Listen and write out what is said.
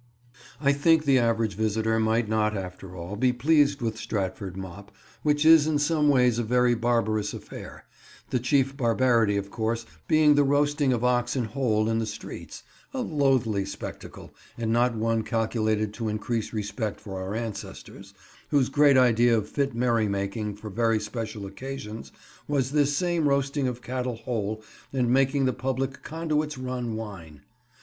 I think the average visitor might not, after all, be pleased with Stratford Mop, which is in some ways a very barbarous affair; the chief barbarity of course being the roasting of oxen whole in the streets; a loathly spectacle, and not one calculated to increase respect for our ancestors, whose great idea of fit merry making for very special occasions was this same roasting of cattle whole and making the public conduits run wine.